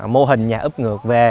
mô hình nhà ướp ngược về